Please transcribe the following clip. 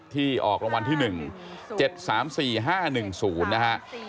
ที่ออกรางวัลที่๑๗๓๔๕๑๐นะฮะ